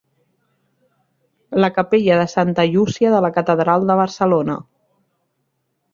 La capella de santa Llúcia de la catedral de Barcelona.